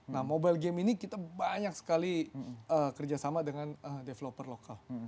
nah mobile game ini kita banyak sekali kerjasama dengan developer lokal